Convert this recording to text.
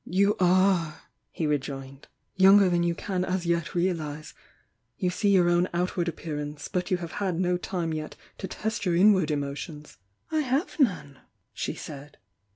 "You are," he rejoined "Younger than you can aa yet reahse. You see your own outward appear ance, but you have had no time yet to test your in ward emotions " j »« "i "I have none!" she said.